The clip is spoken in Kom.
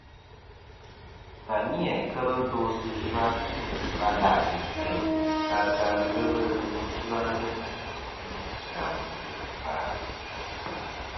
Và ni-a kel ndo sɨ zhwa va la'i teyn ta ka ghelɨ ghɨ zhwanɨ gvi gàmtɨ̀ và.